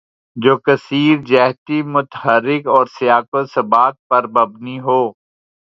جو کثیر جہتی، متحرک اور سیاق و سباق پر مبنی ہو